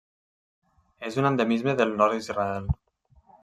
És un endemisme del nord d'Israel.